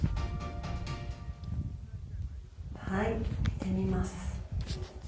はい置いてみます。